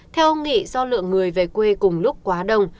theo ông nghị do lượng người về quê cùng lúc quá đông